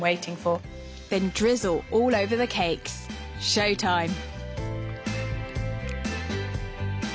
ショータイム！